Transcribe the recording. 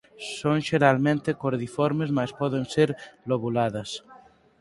Son xeralmente cordiformes mais poden ser lobuladas.